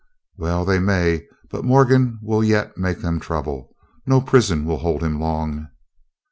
"Well they may, but Morgan will yet make them trouble. No prison will hold him long."